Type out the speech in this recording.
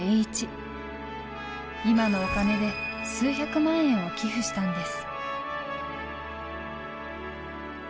今のお金で数百万円を寄付したんです。